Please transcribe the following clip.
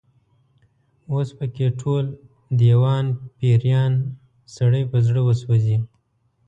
اوس په کې ټول، دېوان پيریان، سړی په زړه وسوځي